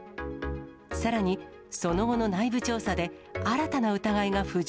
さらに、その後の内部調査で、新たな疑いが浮上。